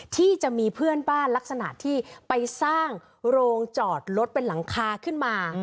ที่จะมีเพื่อนบ้านลักษณะที่ไปสร้างโรงจอดรถเป็นหลังคาขึ้นมา